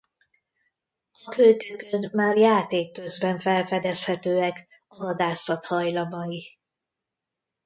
A kölykökön már játék közben felfedezhetőek a vadászat hajlamai.